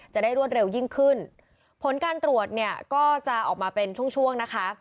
รวดเร็วยิ่งขึ้นผลการตรวจเนี่ยก็จะออกมาเป็นช่วงช่วงนะคะ